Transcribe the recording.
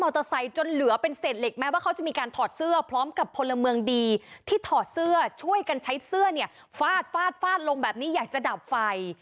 ที่ถอดเสื้อช่วยกันใช้เสื้อเนี่ยฟาดฟาดฟาดลงแบบนี้อยากจะดับไฟ